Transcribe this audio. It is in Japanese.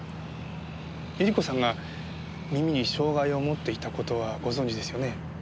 百合子さんが耳に障害を持っていた事はご存じですよね？